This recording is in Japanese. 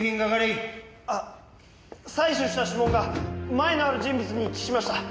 あっ採取した指紋が前科のある人物に一致しました。